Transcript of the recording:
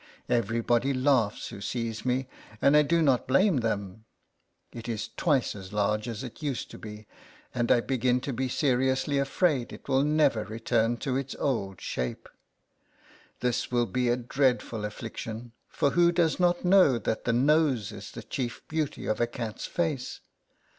Every body laughs who sees me, and I do LETTERS FROM A CAT. 57 not blame them ; it is twice as large as it used to be, and I begin to be seriously afraid it will never return to its old shape. This will be a dreadful affliction : for who does not know that the nose is the chief beauty of a cat's face